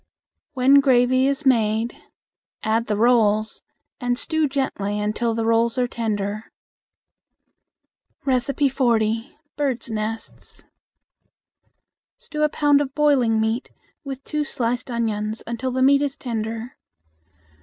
When gravy is made, add the rolls and stew gently until the rolls are tender. 40. Bird Nests. Stew a pound of boiling meat with two sliced onions until the meat is tender.